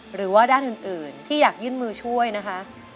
หรือว่าด้านอื่นที่อยากยื่นมือช่วยนะคะ